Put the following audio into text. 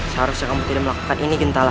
seharusnya kamu tidak melakukan ini gentala